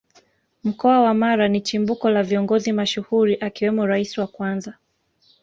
Mkoa wa Mara ni chimbuko la Viongozi mashuhuri akiwemo Rais wa kwanza